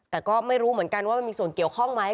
แต่ก็ไม่รู้เหมือนกันว่ามันมีส่วนเกี่ยวข้องไหม